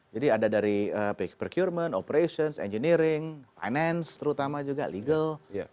jadi ada dari procurement operations engineering finance terutama juga legal